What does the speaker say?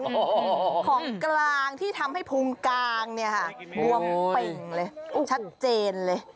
ของกลางที่ทำให้พุงกลางเนี่ยค่ะบวมเป่งเลยชัดเจนเลย